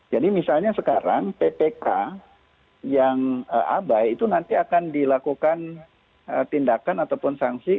jadi misalnya sekarang ppk yang abai itu nanti akan dilakukan tindakan ataupun sanksi